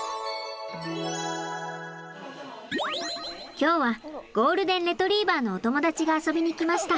今日はゴールデン・レトリーバーのお友達が遊びに来ました。